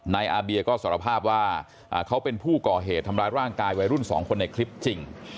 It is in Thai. อาเบียก็สารภาพว่าเขาเป็นผู้ก่อเหตุทำร้ายร่างกายวัยรุ่นสองคนในคลิปจริง